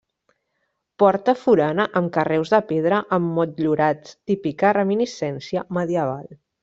Porta forana amb carreus de pedra emmotllurats, típica reminiscència medieval.